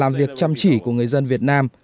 làm việc chăm chỉ của người dân việt nam